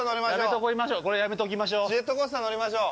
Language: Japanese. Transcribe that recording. ジェットコースター乗りましょう。